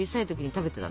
食べてた。